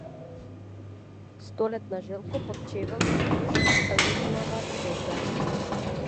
Столетна желко, под чевел се криеш од летнава жега!